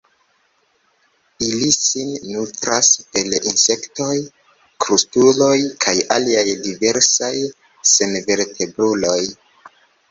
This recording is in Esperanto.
Ili sin nutras per insektoj, krustuloj kaj aliaj diversaj senvertebruloj.